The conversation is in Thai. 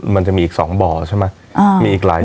มันจะมีอีก๒บ่อใช่ไหม